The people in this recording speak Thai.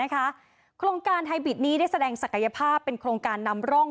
โครงการไทยบิตนี้ได้แสดงศักยภาพเป็นโครงการนำร่อง